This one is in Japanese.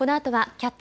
「キャッチ！